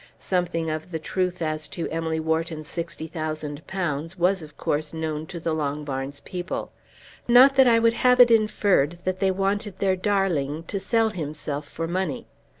Something of the truth as to Emily Wharton's £60,000 was, of course, known to the Longbarns people. Not that I would have it inferred that they wanted their darling to sell himself for money.